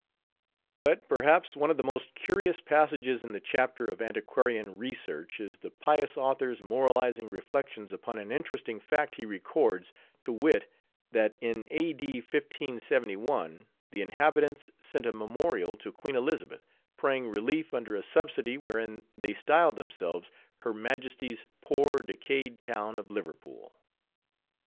But, perhaps, one of the most curious passages in the chapter of antiquarian research, is the pious author's moralizing reflections upon an interesting fact he records: to wit, that in a.d. 1571, the inhabitants sent a memorial to Queen Elizabeth, praying relief under a subsidy, wherein they style themselves _"her majesty's poor decayed town of Liverpool."